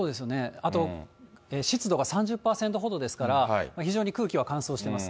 あと、湿度が３０％ほどですから、非常に空気は乾燥してます。